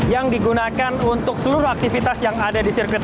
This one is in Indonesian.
yang digunakan untuk seluruh aktivitas yang ada di sirkuit